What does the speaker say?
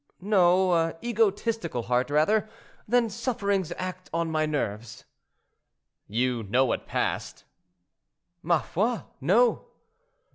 "No; egotistical heart, rather; then sufferings act on my nerves." "You know what passed?" "Ma foi! no."